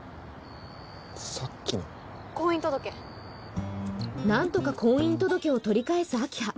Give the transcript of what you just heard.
婚姻届なんとか婚姻届を取り返す明葉